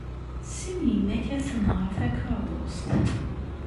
Tessen yemma-k ad tenheṛ takeṛṛust?